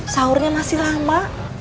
saurnya masih lama